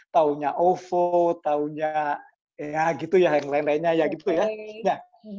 taunya ovo tahunya ya gitu ya yang lain lainnya ya gitu ya